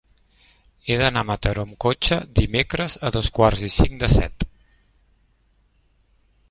He d'anar a Mataró amb cotxe dimecres a dos quarts i cinc de set.